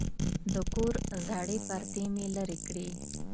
د کور زړې پردې مې لرې کړې.